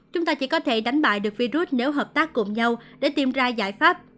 chúng ta chỉ có thể đánh bại được virus nếu hợp tác cùng nhau để tìm ra giải pháp